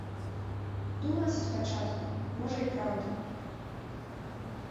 Думалася спачатку, можа, і праўда.